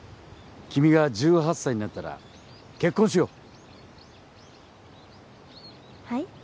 君が１８歳になったら結婚しようはい？